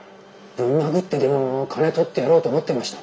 ぶん殴ってでもやってやろうと思いました。